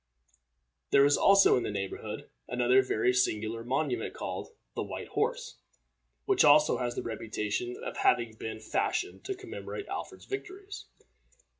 There is also in the neighborhood another very singular monument, called The White Horse, which also has the reputation of having been fashioned to commemorate Alfred's victories.